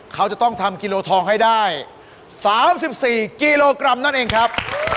เขาจะต้องทำกิโลทองให้ได้๓๔กิโลกรัมนั่นเองครับ